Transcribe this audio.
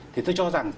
thì tôi cho rằng